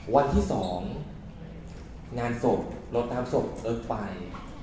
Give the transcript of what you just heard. วันที่๒งานศพลดน้ำศพเอิ๊กไป